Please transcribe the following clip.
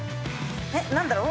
えっ何だろう？